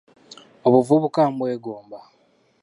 Obuvubuka mbwegomba.